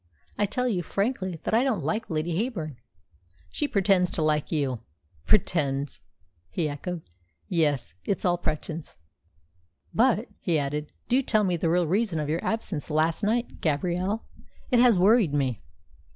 "I tell you frankly that I don't like Lady Heyburn." "She pretends to like you." "Pretends!" he echoed. "Yes, it's all pretence. But," he added, "do tell me the real reason of your absence last night, Gabrielle. It has worried me."